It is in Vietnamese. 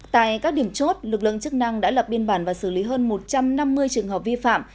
tại các điểm chốt lực lượng chức năng đã lập biên bản và xử lý hơn một trăm năm mươi trường hợp vi phạm